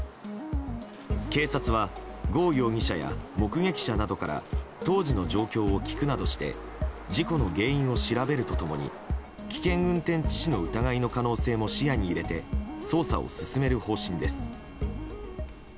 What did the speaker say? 警察はゴ容疑者や目撃者などから当時の状況を聞くなどして事故の原因を調べると共に危険運転致死の疑いも視野に入れて捜査を進める方針です。